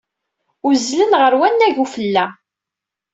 Uzzlen ɣer wannag n ufella.